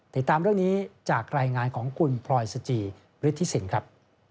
ติดตามเรื่องนี้จากรายงานของคุณพลอยสจิฤทธิสินครับ